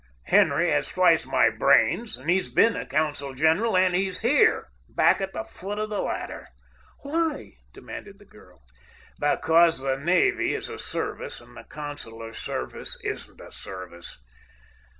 Henry has twice my brains and he's been a consul general, and he's here, back at the foot of the ladder!" "Why?" demanded the girl. "Because the navy is a service and the consular service isn't a service.